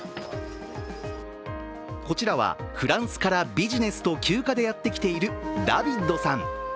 こちらは、フランスからビジネスと休暇でやってきているダビッドさん。